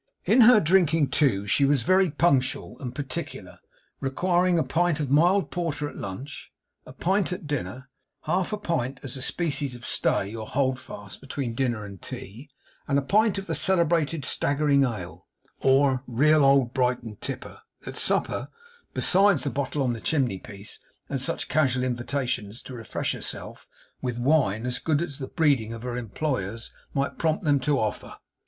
In her drinking too, she was very punctual and particular, requiring a pint of mild porter at lunch, a pint at dinner, half a pint as a species of stay or holdfast between dinner and tea, and a pint of the celebrated staggering ale, or Real Old Brighton Tipper, at supper; besides the bottle on the chimney piece, and such casual invitations to refresh herself with wine as the good breeding of her employers might prompt them to offer.